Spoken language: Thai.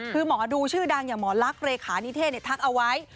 คือหมอดูชื่อดังอย่างหมอลักษณ์เลขานิเทศทักเอาไว้